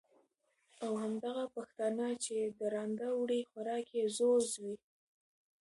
او همدغه پښتانه، چې درانده وړي خوراک یې ځوز وي،